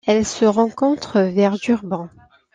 Elle se rencontre vers Durban.